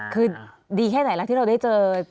คือดีแค่ไหนล่ะที่เราได้เจอ